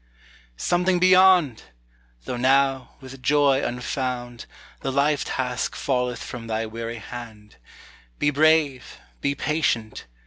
Something beyond! though now, with joy unfound, The life task falleth from thy weary hand, Be brave, be patient!